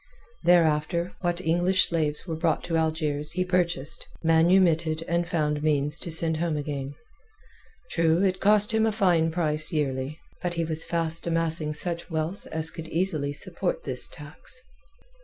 Thereafter what English slaves were brought to Algiers he purchased, manumitted, and found means to send home again. True, it cost him a fine price yearly, but he was fast amassing such wealth as could easily support this tax.